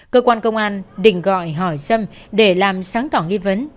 cơ quan công an đình gọi hỏi sâm để làm sáng tỏ nghi vấn